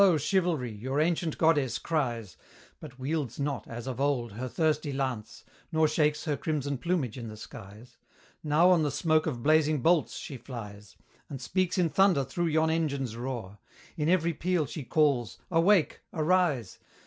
Chivalry, your ancient goddess, cries, But wields not, as of old, her thirsty lance, Nor shakes her crimson plumage in the skies: Now on the smoke of blazing bolts she flies, And speaks in thunder through yon engine's roar! In every peal she calls 'Awake! arise!'